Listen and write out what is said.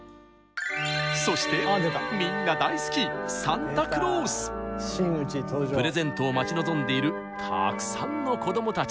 そしてみんな大好きプレゼントを待ち望んでいるたくさんの子どもたち。